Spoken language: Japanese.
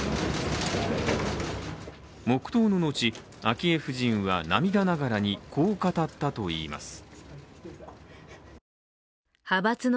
黙とうの後、昭恵夫人は涙ながらにこう語ったといいます。